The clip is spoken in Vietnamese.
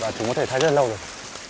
và chúng có thể thay rất là lâu rồi